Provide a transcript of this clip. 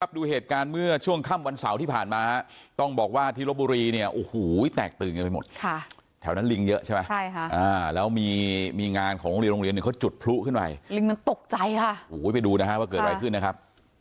ดูเหตุการณ์เมื่อช่วงค่ำวันเสาร์ที่ผ่านมาต้องบอกว่าที่ลบบุรีเนี่ยโอ้โหแตกตื่นกันไปหมดแถวนั้นลิงเยอะใช่ไหมใช่ค่ะแล้วมีงานของโรงเรียนโรงเรียนหนึ่งเขาจุดพลุขึ้นไปลิงมันตกใจค่ะโอ้โหไปดูนะฮะว่าเกิดอะไรขึ้นนะครับ